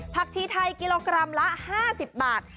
ชีไทยกิโลกรัมละ๕๐บาท